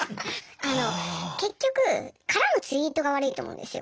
あの結局絡むツイートが悪いと思うんですよ。